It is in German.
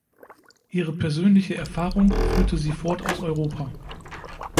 Ihre persönliche Erfahrung führte Sie fort aus Europa.